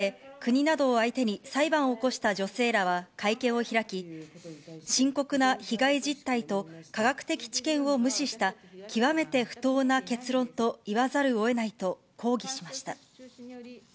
一方、接種後のさまざまな症状を訴え、国などを相手に裁判を起こした女性らは会見を開き、深刻な被害実態と科学的知見を無視した極めて不当な結論と言わざるをえないと、抗議しました。